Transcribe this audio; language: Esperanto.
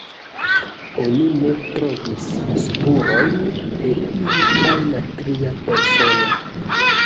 Oni ne trovis spurojn de iu ajn tria persono.